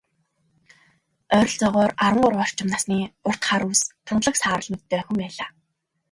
Ойролцоогоор арван гурав орчим насны, урт хар үс, тунгалаг саарал нүдтэй охин байлаа.